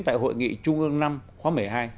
tại hội nghị trung ương năm khóa một mươi hai